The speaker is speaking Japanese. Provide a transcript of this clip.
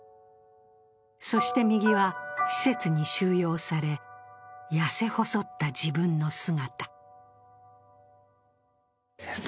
そして右は施設に収容され痩せ細った自分の姿。